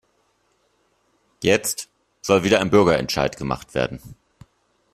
Jetzt soll wieder ein Bürgerentscheid gemacht werden.